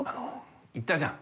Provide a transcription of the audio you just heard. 言ったじゃん